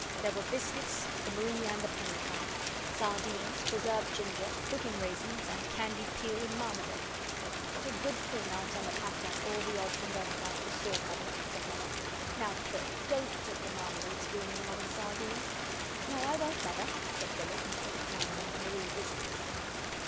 There were biscuits, the Marie and the plain kind, sardines, preserved ginger, cooking raisins, and candied peel and marmalade. "What a good thing Aunt Emma packed up all the odds and ends out of the Store cupboard," said Mother. "Now, Phil, DON'T put the marmalade spoon in among the sardines." "No, I won't, Mother," said Phyllis, and put it down among the Marie biscuits.